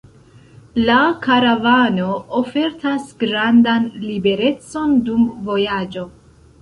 La karavano ofertas grandan liberecon dum vojaĝo.